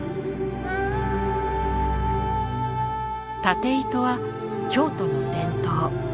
縦糸は京都の伝統。